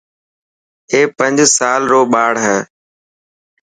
اي پنج سال رو ٻاڙ هي.